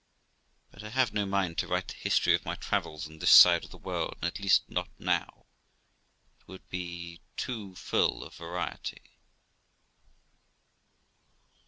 But I have no mind to write the history of my travels on this side of the world, at least not now; it would be too full of variety.